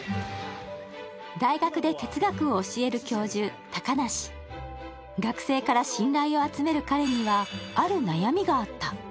大学で哲学を教える教授、小鳥遊学生から信頼を集める彼にはある悩みがあった。